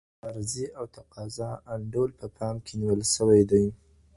د عرضې او تقاضا انډول په پام کي نيول سوی دی.